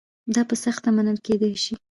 دا په سخته منل کېدای شي.